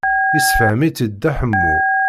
Yessefhem-itt-id Dda Ḥemmu.